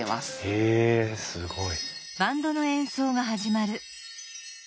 へえすごい。